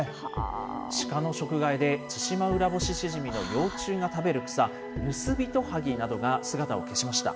シカの食害でツシマウラボシシジミの幼虫が食べる草、ヌスビトハギなどが姿を消しました。